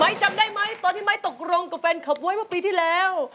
จำได้ไหมตอนที่ไม้ตกลงกับแฟนคลับไว้เมื่อปีที่แล้ว